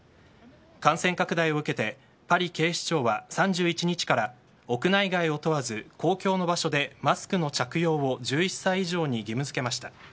感染拡大を受けてパリ警視庁は、３１日から屋内外を問わず公共の場所でマスクの着用を１１歳以上に義務付けました。